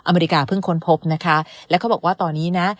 อเมริกาเพิ่งค้นพบนะคะแล้วเขาบอกว่าตอนนี้นะ